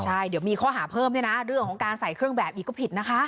ใช่เดี๋ยวมีข้อหาเพิ่มเนี่ยนะเรื่องของการใส่เครื่องแบบอีกก็ผิดนะคะ